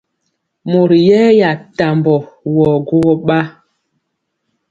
Mori yɛya tambɔ wɔ gwogɔ ɓa.